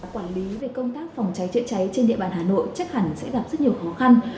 quản lý về công tác phòng cháy chữa cháy trên địa bàn hà nội chắc hẳn sẽ gặp rất nhiều khó khăn